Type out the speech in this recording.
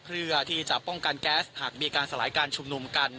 เพื่อที่จะป้องกันแก๊สหากมีการสลายการชุมนุมกัน